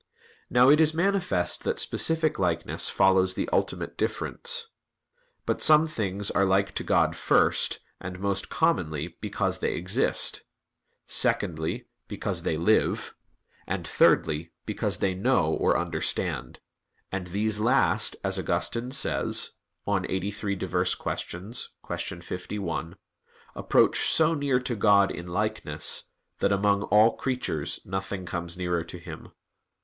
Now it is manifest that specific likeness follows the ultimate difference. But some things are like to God first and most commonly because they exist; secondly, because they live; and thirdly because they know or understand; and these last, as Augustine says (QQ. 83, qu. 51) "approach so near to God in likeness, that among all creatures nothing comes nearer to Him."